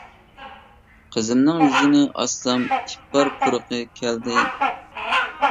قىزىمنىڭ يۈزىنى ئاچسام، ئىپار پۇرىقى كەلدى.